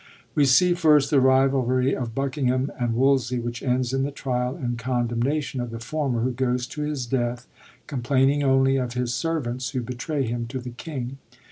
We see first the rivalry of Buckingham and Wolsey, which ends in the trial and condemnation of the former, who goes to his death, complaining only of his servants who betray him to the king.